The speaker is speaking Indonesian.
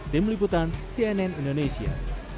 tim liputan cnn indonesia